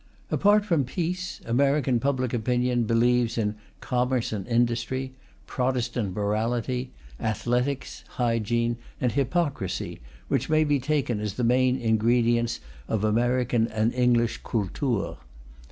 Apart from peace, American public opinion believes in commerce and industry, Protestant morality, athletics, hygiene, and hypocrisy, which may be taken as the main ingredients of American and English Kultur.